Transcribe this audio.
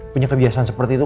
punya kebiasaan seperti itu